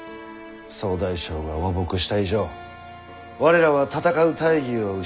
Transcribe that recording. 総大将が和睦した以上我らは戦う大義を失った。